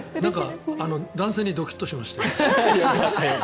男性にドキッとしました。